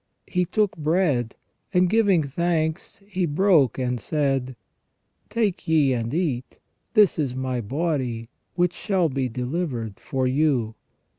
He took bread, and giving thanks, He broke, and said :" Take ye and eat ; this is My body which shall be delivered for you.